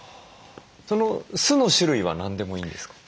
酢の種類は何でもいいんですか？